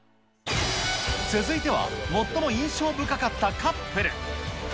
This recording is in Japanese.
続いては最も印象深かったカップル。